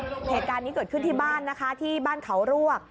เหตุการณ์นี้เกิดขึ้นที่บ้านนะคะที่บ้านเขารวก